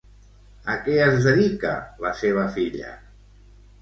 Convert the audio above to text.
A què es dedica la seva filla?